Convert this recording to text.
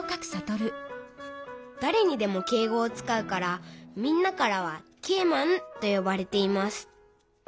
だれにでも敬語をつかうからみんなからはＫマンとよばれています。